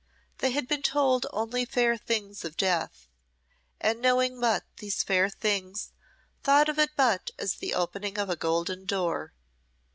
They had been told only fair things of death, and knowing but these fair things, thought of it but as the opening of a golden door.